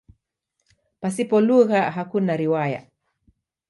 Pasipo lugha hakuna riwaya.